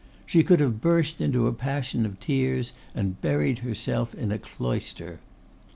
She could have burst into a passion of tears and buried herself in a cloister.